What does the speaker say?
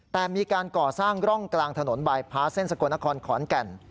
แต่มีการก่อสร้างร่องกลางถนนบายพาเส้นสกลนครขอนแก่น